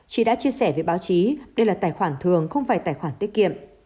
chị đã chia sẻ với báo chí đây là tài khoản thường không phải tài khoản tiết kiệm